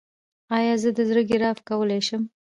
ایا زه د زړه ګراف کولی شم؟